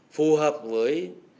phù hợp với